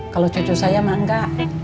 kalau cucu saya mak enggak